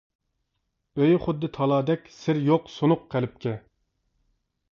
ئۆيى خۇددى تالادەك سىر يوق سۇنۇق قەلبكە.